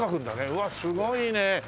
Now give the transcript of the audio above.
うわあすごいね。